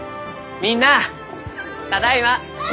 みんなあただいま！